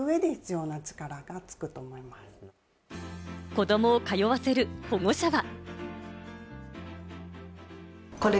子どもを通わせる保護者は。